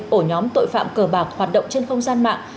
ổ nhóm tội phạm cờ bạc hoạt động trên không gian mạng